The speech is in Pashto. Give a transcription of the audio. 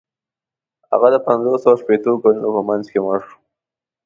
هغه د پنځوسو او شپیتو کلونو په منځ کې مړ شو.